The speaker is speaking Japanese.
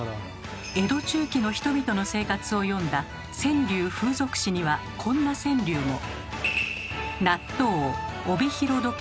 江戸中期の人々の生活を詠んだ「川柳風俗志」にはこんな川柳も。